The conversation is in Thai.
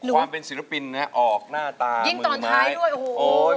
ความเป็นศิรภินออกหน้าตามือมาหญิงตอนท้าย